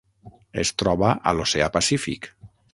Es troba a l'Oceà Pacífic: